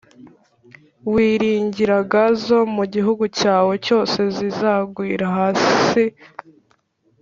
wiringiraga zo mu gihugu cyawe cyose zizagwira hasi